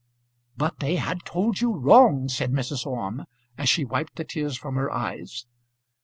"But they had told you wrong," said Mrs. Orme, as she wiped the tears from her eyes.